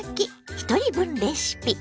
ひとり分レシピ」。